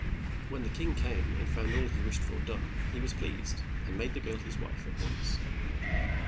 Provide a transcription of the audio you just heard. When the king came and found all he wished for done, he was pleased, and made the girl his wife at once.